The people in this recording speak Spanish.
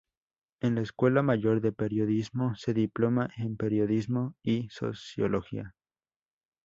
En la escuela mayor de periodismo se diploma en periodismo y sociología.